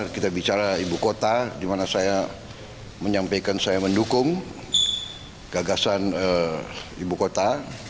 kita bicara ibu kota di mana saya menyampaikan saya mendukung gagasan ibu kota